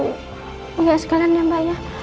enggak sekalian ya mbak ya